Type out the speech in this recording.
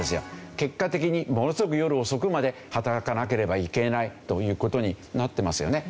結果的にものすごく夜遅くまで働かなければいけないという事になってますよね。